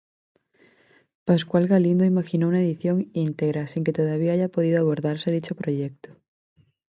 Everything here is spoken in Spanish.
Pascual Galindo imaginó una edición íntegra, sin que todavía haya podido abordarse dicho proyecto.